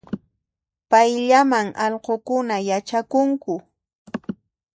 Payllaman allqunkuna yachakunku